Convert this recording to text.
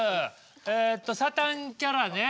えとサタンキャラね。